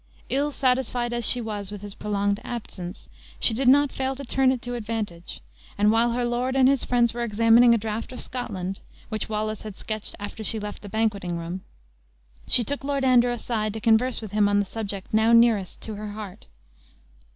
Ill satisfied as she was with his prolonged absence, she did not fail to turn it to advantage; and while her lord and his friends were examining a draft of Scotland (which Wallace had sketched after she left the banqueting room), she took Lord Andrew aside, to converse with him on the subject now nearest to her heart.